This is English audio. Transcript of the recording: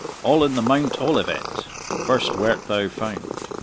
All in the Mount Olivet First wert thou found.